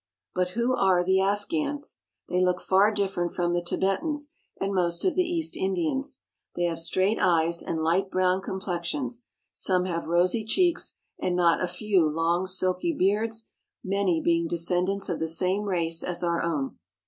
But who are the Afghans ? They look far different from the Tibetans, and most of the East Indians. They have straight eyes and light brown complexions; some have rosy cheeks, and not a few long, silky beards, many being descendants of the same race as our own.